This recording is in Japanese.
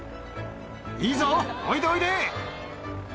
いいぞおいでおいで！